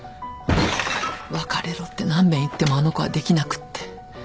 別れろって何べん言ってもあの子はできなくって。